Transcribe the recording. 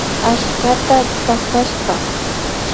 Achskata takashpa